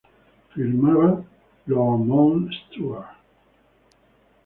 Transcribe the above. Firmaba "Lord Mount Stuart".